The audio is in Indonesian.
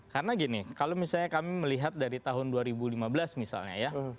karena gini kalau misalnya kami melihat dari tahun dua ribu lima belas misalnya ya